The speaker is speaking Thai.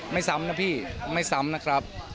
ซ้ำนะพี่ไม่ซ้ำนะครับ